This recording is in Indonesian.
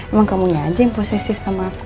emang kamu aja yang posesif sama aku